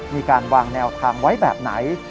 มีการวางแนวทางไว้แบบไหน